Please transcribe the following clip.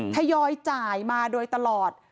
ทยอยจ่ายมาโดยตลอด